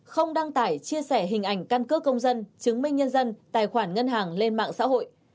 không đăng tải chia sẻ hình ảnh căn cước công dân chứng minh nhân dân tài khoản ngân hàng lên mạng xã hội